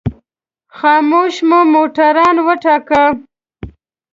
خاموش مو موټروان وټاکه.